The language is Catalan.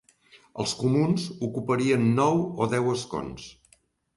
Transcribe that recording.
Els comuns ocuparien nou o deu escons.